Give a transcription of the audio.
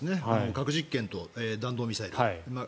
核実験と弾道ミサイル。